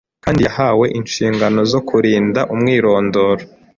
kandi yahawe inshingano zo kurinda umwirondoro